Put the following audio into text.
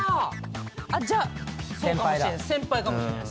じゃあそうかもしれない。